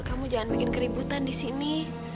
kamu jangan bikin keributan di sini